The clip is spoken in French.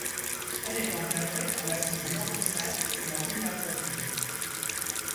Elle est encadrée par l'avenue Georges Lemaître et la rue Lavoisier.